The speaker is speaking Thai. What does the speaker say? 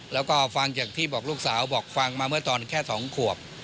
แล้วก็ฟังจากที่บอกลูกสาวบอกฟังมาเมื่อตอนแค่๒ขวบ